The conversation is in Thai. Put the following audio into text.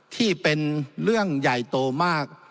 ที่เป็นเรื่องใหญ่โตมาก